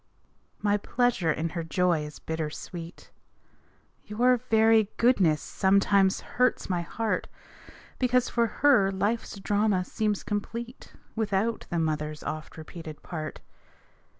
My pleasure in her joy is bitter sweet. Your very goodness sometimes hurts my heart, Because, for her, life's drama seems complete Without the mother's oft repeated part.